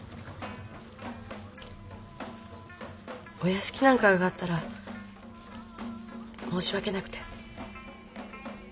お屋敷なんか上がったら申し訳なくて。